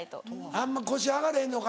あんま腰上がらへんのか。